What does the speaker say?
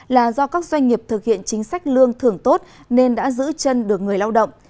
là do các doanh nghiệp thực hiện chính sách lương thưởng tốt nên đã giữ chân được người lao động